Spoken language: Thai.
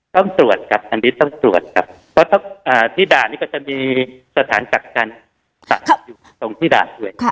ต้องตรวจครับอันนี้ต้องตรวจครับเพราะที่ด่านนี้ก็จะมีสถานกักกันอยู่ตรงที่ด่านด้วย